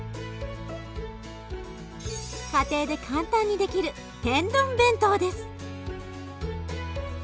家庭で簡単にできる天丼弁当です。